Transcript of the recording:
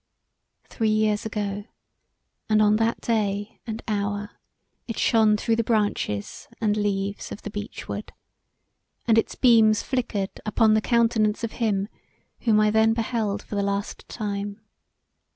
Three years ago and on that day and hour it shone through the branches and leaves of the beech wood and its beams flickered upon the countenance of him whom I then beheld for the last time.